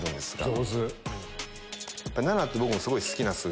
上手。